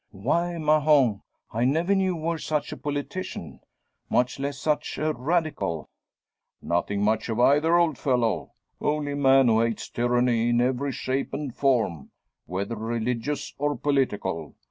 "Why, Mahon! I never knew you were such a politician! Much less such a Radical!" "Nothing much of either, old fellow. Only a man who hates tyranny in every shape and form whether religious or political.